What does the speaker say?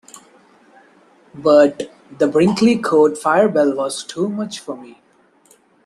But the Brinkley Court fire bell was too much for me.